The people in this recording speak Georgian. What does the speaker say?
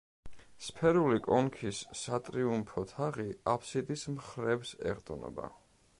სფერული კონქის სატრიუმფო თაღი აფსიდის მხრებს ეყრდნობა.